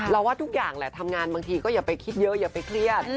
ว่าทุกอย่างแหละทำงานบางทีก็อย่าไปคิดเยอะอย่าไปเครียด